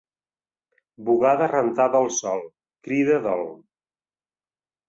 Bugada rentada al sol, crida dol.